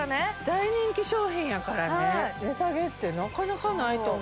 大人気商品やからね値下げってなかなかないと思う